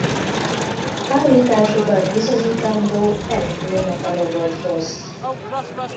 Állításukat bizonyítandó elindulnak a robothoz.